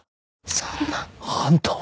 そんな。あんたは！